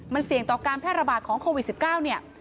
มันเสี่ยงต่อการแพร่ระบาดของโควิด๑๙เนี่ย